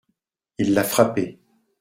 Il l’a frappé.